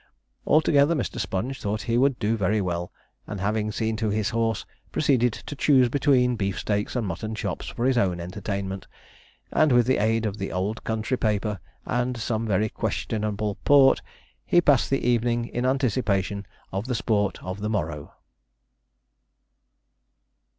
Altogether, Mr. Sponge thought he would do very well, and, having seen to his horse, proceeded to choose between beef steaks and mutton chops for his own entertainment, and with the aid of the old country paper and some very questionable port, he passed the evening in anticipation of the sports of the morrow.